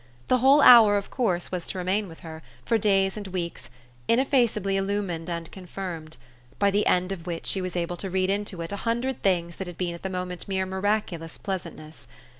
The whole hour of course was to remain with her, for days and weeks, ineffaceably illumined and confirmed; by the end of which she was able to read into it a hundred things that had been at the moment mere miraculous pleasantness.